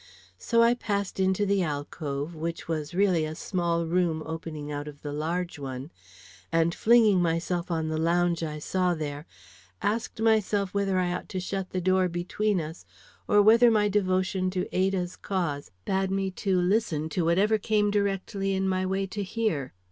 So I passed into the alcove, which was really a small room opening out of the large one, and flinging myself on the lounge I saw there, asked myself whether I ought to shut the door between us, or whether my devotion to Ada's cause bade me listen to whatever came directly in my way to hear?